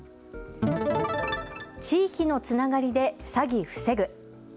地域のつながりで詐欺防ぐ。